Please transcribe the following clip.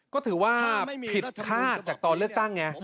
ก็ถือว่าผิดคาดจากตอนเลือกตั้งไง